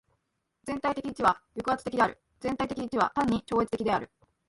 全体的一は抑圧的である。全体的一は単に超越的である。